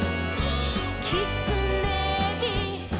「きつねび」「」